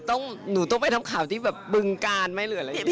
หนูต้องไปทำข่าวที่แบบบึงการไหมหรืออะไรอย่างนี้